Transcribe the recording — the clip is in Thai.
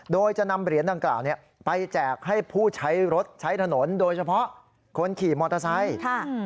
โดยจะนำเหรียญดังกล่าวเนี่ยไปแจกให้ผู้ใช้รถใช้ถนนโดยเฉพาะคนขี่มอเตอร์ไซค์ค่ะ